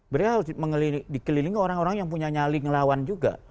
beliau harus dikelilingi orang orang yang punya nyali ngelawan juga